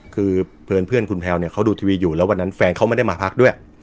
คือเพื่อนคุณแพลวเนี่ยเขาดูทีวีอยู่แล้ววันนั้นแฟนเขาไม่ได้มาพักด้วย